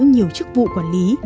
nhiều chức vụ quản lý